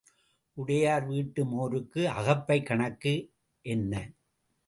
உடையார் வீட்டு மோருக்கு அகப்பைக் கணக்கு என்ன?